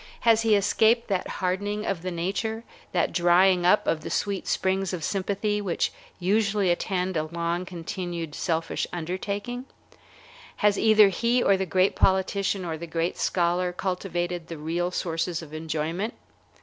Has he escaped that hardening of the nature, that drying up of the sweet springs of sympathy, which usually attend a long continued selfish undertaking? Has either he or the great politician or the great scholar cultivated the real sources of enjoyment?